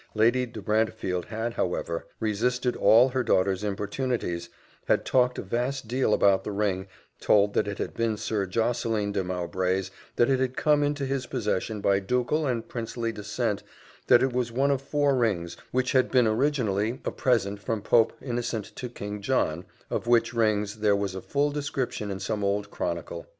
Lady de Brantefield had, however, resisted all her daughter's importunities had talked a vast deal about the ring told that it had been Sir Josseline de Mowbray's that it had come into his possession by ducal and princely descent that it was one of four rings, which had been originally a present from Pope Innocent to King John, of which rings there was a full description in some old chronicle [Footnote: Rymer's Foedera.